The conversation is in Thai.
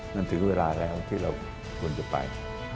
ถึงเวลาแล้วที่เราควรจะไป